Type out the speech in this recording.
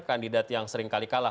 kandidat yang sering kali kalah